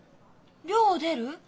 寮を出る？